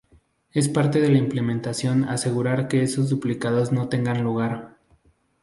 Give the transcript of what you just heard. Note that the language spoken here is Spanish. Es parte de la implementación asegurar que esos duplicados no tengan lugar.